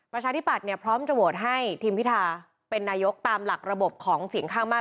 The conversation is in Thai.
ประชาธิปัตย์เนี่ยพร้อมจะโหวตให้ทีมพิทาเป็นนายกตามหลักระบบของเสียงข้างมาก